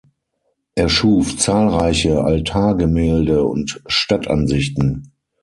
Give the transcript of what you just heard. Er schuf zahlreiche Altargemälde und Stadtansichten.